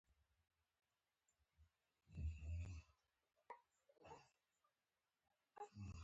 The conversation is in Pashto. هغې له خپل ملګری سره واده وکړ